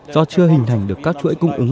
do chưa hình thành được các chuỗi cung ứng